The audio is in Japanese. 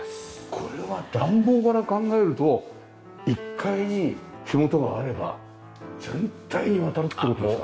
これは暖房から考えると１階に火元があれば全体に渡るっていう事ですか？